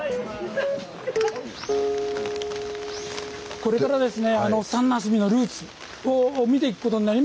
これからですね